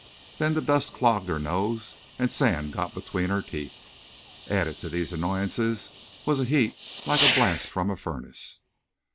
Then the dust clogged her nose and sand got between her teeth. Added to these annoyances was a heat like a blast from a furnace.